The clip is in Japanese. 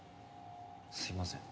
すみません。